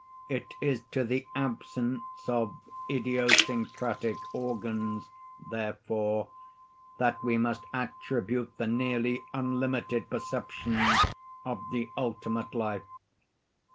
It is to the absence of idiosyncratic organs, therefore, that we must attribute the nearly unlimited perception of the ultimate life.